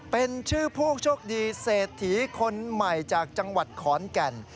เป็นชื่อผู้โชคดีเศรษฐีคนใหม่จากจังหวัดขอนแก่น